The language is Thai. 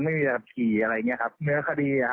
ไม่มีที่อะไรอย่างนี้ครับเนื้อคดีครับ